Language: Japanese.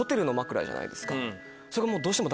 それがもう。